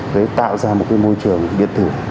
để tạo ra một môi trường điện tử